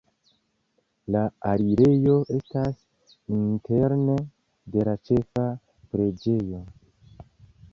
La alirejo estas interne de la ĉefa preĝejo.